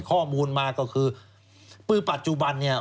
ข้อมูลมาก็คือคือปัจจุบันเนี่ย